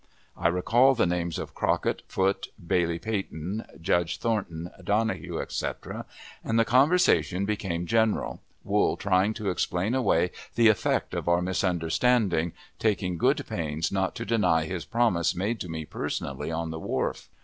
I recall the names of Crockett, Foote, Bailey Peyton, Judge Thornton, Donohue, etc., and the conversation became general, Wool trying to explain away the effect of our misunderstanding, taking good pains not to deny his promise made to me personally on the wharf.